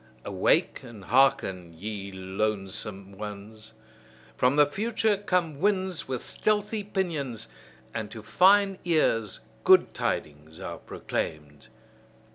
Awake and hearken, ye lonesome ones! From the future come winds with stealthy pinions, and to fine ears good tidings are proclaimed.